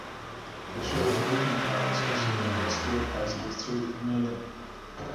The show's opening credits are seen while Stewart bicycles through the community.